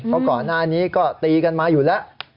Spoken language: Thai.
เพราะก่อนหน้านี้ก็ตีกันมาอยู่แล้ว